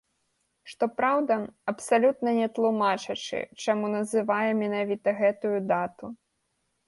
Што праўда, абсалютна не тлумачачы, чаму называе менавіта гэтую дату.